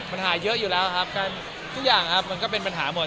มันหาเยอะอยู่แล้วครับทุกอย่างครับมันก็เป็นปัญหาหมด